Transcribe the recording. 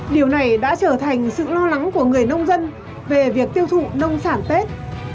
điều này đã trở thành sự lo lắng của người nông dân về việc tiêu thụ nông sản tết